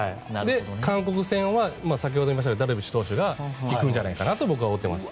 韓国戦は先ほど言いましたがダルビッシュ投手が行くんじゃないかと僕は思ってます。